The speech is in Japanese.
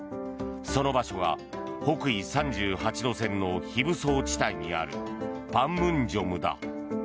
その場所が北緯３８度線の非武装地帯にあるパンムンジョムだ。